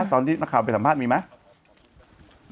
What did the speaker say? ตอนที่นักข่าวไปสัมภาษณ์มีไหม